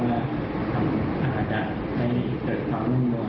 ว่าทำอาจจะให้เจอความลุงนวล